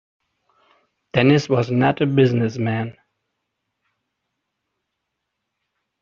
Dennis was not a business man.